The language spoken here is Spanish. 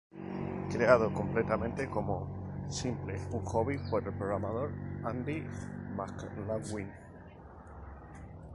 Creado completamente como simple un hobby por el programador, Andy McLaughlin.